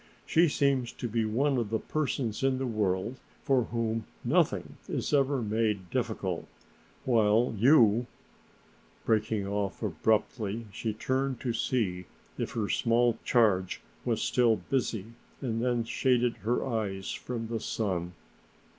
She seems to be one of the persons in the world for whom nothing is ever made difficult, while you " Breaking off abruptly she turned to see if her small charge was still busy and then shaded her eyes from the sun.